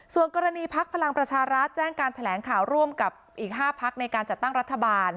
ส่วนกรณีพักพลังประชารัฐแจ้งการแถลงข่าวร่วมกับอีก๕พักในการจัดตั้งรัฐบาล